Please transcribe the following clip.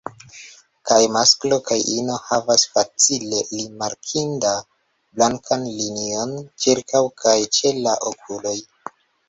Kaj masklo kaj ino havas facile rimarkindan blankan linion ĉirkaŭ kaj ĉe la okuloj.